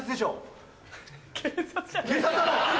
警察だろ？